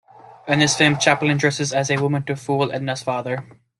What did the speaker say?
In this film, Chaplin dresses as a woman to fool Edna's father.